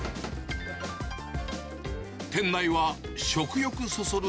店内は食欲そそる